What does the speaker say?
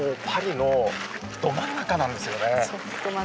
パリのど真ん中なんですよね。